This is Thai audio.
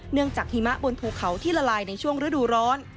จากหิมะบนภูเขาที่ละลายในช่วงฤดูร้อน